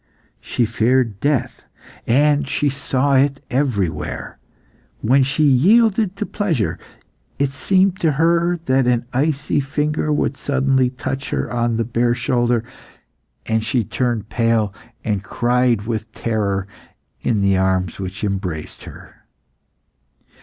She feared death, and she saw it everywhere. When she yielded to pleasure, it seemed to her that an icy finger would suddenly touch her on the bare shoulder, and she turned pale, and cried with terror, in the arms which embraced her.